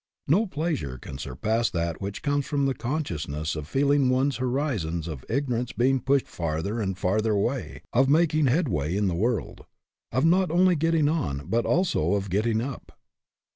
No pleasure can surpass that which comes from the consciousness of feel ing one's horizon of ignorance being pushed farther and farther away of making head way in the world of not only getting on, but also of getting up.